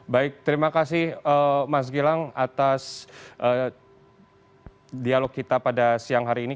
baik terima kasih mas gilang atas dialog kita pada siang hari ini